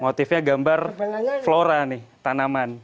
motifnya gambar flora nih tanaman